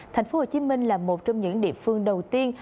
thành phố hồ chí minh là một trong những địa phương đầu tiên